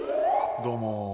どうも。